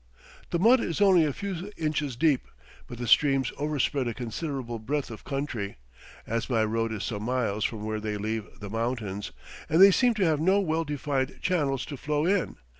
The mud is only a few inches deep, but the streams overspread a considerable breadth of country, as my road is some miles from where they leave the mountains, and they seem to have no well defined channels to flow in.